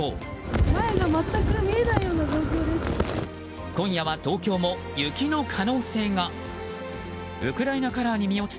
前が全く見えない状況です！